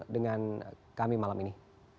dengan kami malam ini